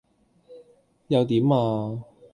又點呀?